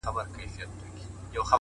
فکر بدل شي، تقدیر بدلېږي